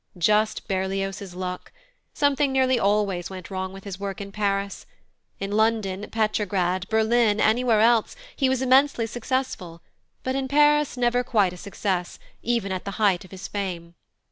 Just Berlioz's luck! Something nearly always went wrong with his work in Paris. In London, Petrograd, Berlin, anywhere else, he was immensely successful, but in Paris never quite a success, even at the height of his fame.